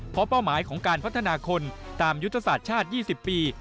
เพราะเป้าหมายของการพัฒนาคนตามยุทธศาสตร์ชาติ๒๐ปี